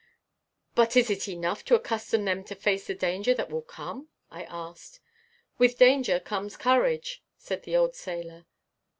"But is it enough to accustom them to face the danger that will come?" I asked. "With danger comes courage," said the old sailor.